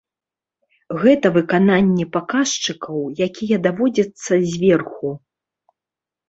Гэта выкананне паказчыкаў, якія даводзяцца зверху.